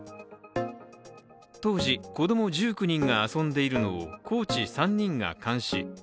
当時子供１９人が遊んでいるのをコーチ３人が監視。